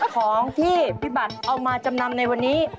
ของที่พี่บัตรเอามาจำนำในวันนี้